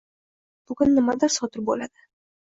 Bugun nimadir sodir boʻladi...